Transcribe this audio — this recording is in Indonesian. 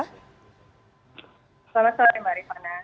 selamat sore mbak arifana